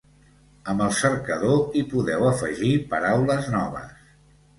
Amb el cercador, hi podeu afegir paraules noves.